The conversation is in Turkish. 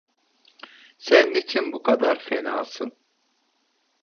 Sen niçin bu kadar fenasın?